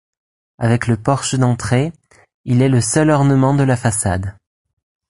Avec le porche d'entrée, il est le seul ornement de la façade.